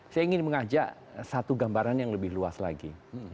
saya ingin mengajak satu gambaran yang lebih luas lagi